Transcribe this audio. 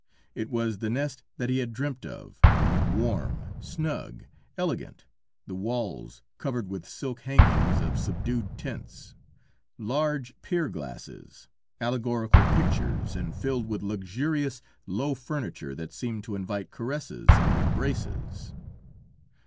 It was the nest that he had dreamt of, warm, snug, elegant, the walls covered with silk hangings of subdued tints, large pier glasses, allegorical pictures, and filled with luxurious, low furniture that seemed to invite caresses and embraces.